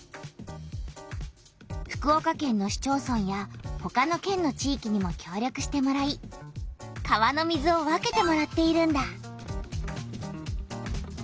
福岡県の市町村やほかの県の地いきにもきょう力してもらい川の水を分けてもらっているんだ。